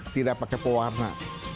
tidak pakai pewarna